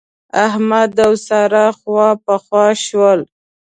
احمد او سارا خواپخوا شول.